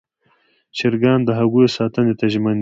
چرګان د هګیو ساتنې ته ژمن دي.